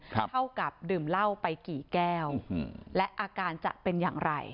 เท่ากับดื่มเหล้าไปกี่แก้วและอาการจะเป็นอย่างไร